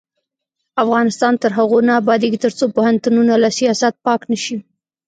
افغانستان تر هغو نه ابادیږي، ترڅو پوهنتونونه له سیاست پاک نشي.